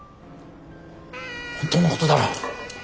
本当のことだろ。